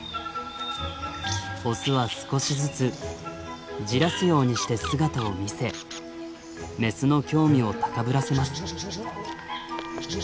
オスは少しずつじらすようにして姿を見せメスの興味を高ぶらせます。